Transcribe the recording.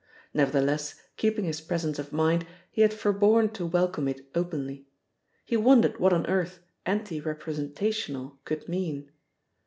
Nevertheless, keeping his presence of mind, he had forborne to welcome it openly. He wondered what on earth "anti representational" could mean.